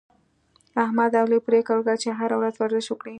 احمد او علي پرېکړه وکړه، چې هره ورځ ورزش وکړي